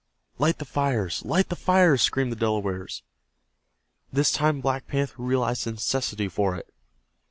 "Light the fires! Light the fires!" screamed the Delawares. This time Black Panther realized the necessity for it.